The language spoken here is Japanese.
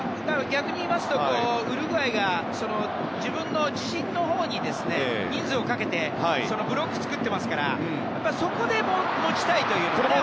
逆に言いますとウルグアイが自陣のほうに人数をかけてブロックを作っていますからそこで、ボールを持ちたいという。